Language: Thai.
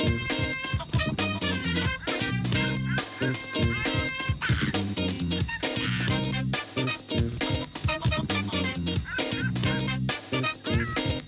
มันมานาน